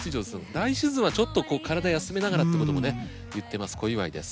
来シーズンはちょっとこう体休めながらってこともね言ってます小祝です。